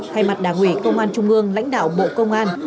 thay mặt đảng ủy công an trung ương lãnh đạo bộ công an